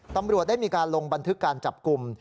ตำรวจได้มีการลงบันทึกการจับกลุ่ม